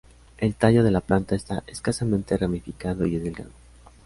El tallo de la planta está escasamente ramificado, y es delgado.